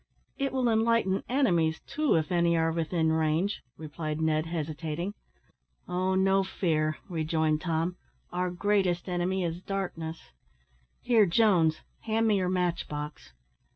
"It will enlighten enemies, too, if any are within range," replied Ned, hesitating. "Oh, no fear," rejoined Tom, "our greatest enemy is darkness; here, Jones, hand me your match box."